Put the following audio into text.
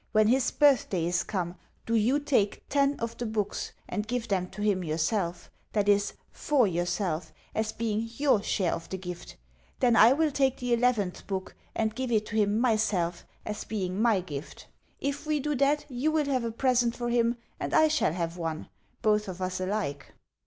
When his birthday is come, do you take TEN of the books, and give them to him yourself that is, FOR yourself, as being YOUR share of the gift. Then I will take the eleventh book, and give it to him MYSELF, as being my gift. If we do that, you will have a present for him and I shall have one both of us alike."